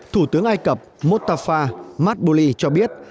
thủ tướng ai cập mustafa mabouli cho biết